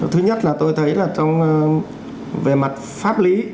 thứ nhất là tôi thấy là về mặt pháp lý